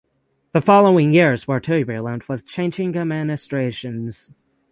The following years were turbulent with changing administrations.